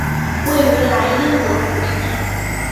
位于莱茵河谷之内。